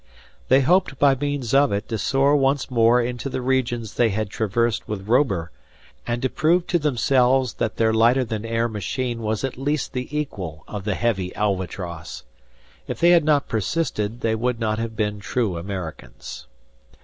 They hoped by means of it to soar once more into the regions they had traversed with Robur, and to prove to themselves that their lighter than air machine was at least the equal of the heavy "Albatross." If they had not persisted, they would not have been true Americans.